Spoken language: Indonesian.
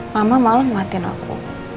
mama malah ngematin aku